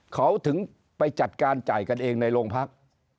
เขาถึงไปจัดการจ่ายกันเองในโรงพัก